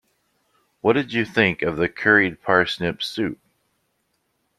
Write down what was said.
What did you think of the curried parsnip soup?